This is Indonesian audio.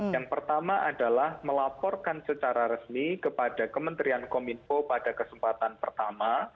yang pertama adalah melaporkan secara resmi kepada kementerian kominfo pada kesempatan pertama